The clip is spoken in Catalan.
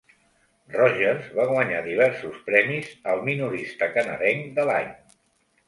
Rogers va guanyar diversos premis al "Minorista canadenc de l'any".